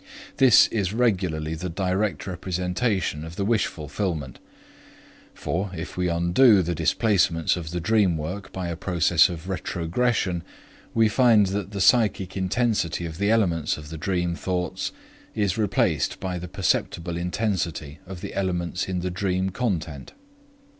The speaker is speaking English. This is regularly the direct representation of the wish fulfillment; for, if we undo the displacements of the dream work by a process of retrogression, we find that the psychic intensity of the elements in the dream thoughts is replaced by the perceptible intensity of the elements in the dream content.